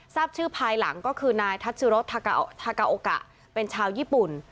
ทราบชื่อภายหลังก็คือนายทัชชิรสทากาโอกะเป็นชาวญี่ปุ่น